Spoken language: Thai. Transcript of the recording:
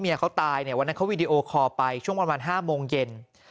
เขาตายเนี่ยวันนั้นเขาวีดีโอคอลไปช่วงประมาณ๕โมงเย็น